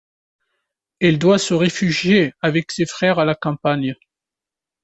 Il doit se réfugier avec ses frères à la campagne.